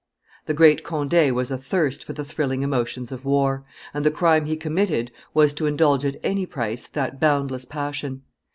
The great Conde was athirst for the thrilling emotions of war; and the crime he committed was to indulge at any price that boundless passion.